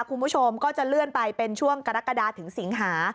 คุณผู้ชมก็จะเลื่อนไปเป็นช่วงกรกฎาถึงสิงหา